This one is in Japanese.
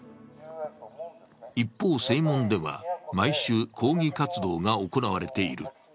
一方、正門では毎週抗議活動が行われている。